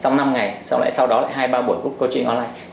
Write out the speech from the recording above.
xong năm ngày sau đó lại hai ba buổi group coaching online